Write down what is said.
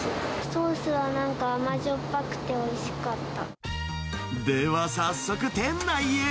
ソースはなんか甘じょっぱくでは早速、店内へ。